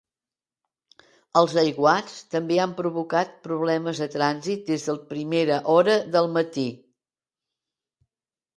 Els aiguats també han provocat problemes de trànsit des de primera hora del matí.